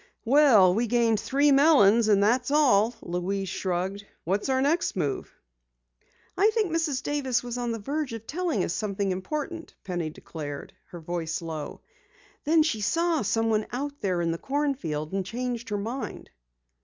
"Well, we gained three melons, and that's all," Louise shrugged. "What's our next move?" "I think Mrs. Davis was on the verge of telling us something important," Penny declared, her voice low. "Then she saw someone out there in the corn field and changed her mind."